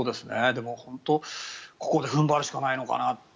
でも本当、ここで踏ん張るしかないのかなって。